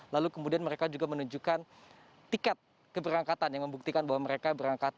lalu kemudian mereka juga menunjukkan tiket keberangkatan yang membuktikan bahwa mereka berangkat